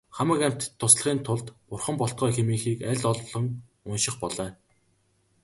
Хамаг амьтдад туслахын тулд бурхан болтугай хэмээхийг аль олон унших болой.